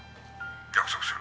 「約束する」